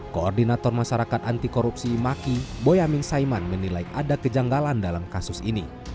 koordinator masyarakat anti korupsi maki boyamin saiman menilai ada kejanggalan dalam kasus ini